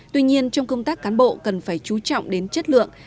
tuy nhiên trong công tác cán bộ cần phải chú trọng đến chất lượng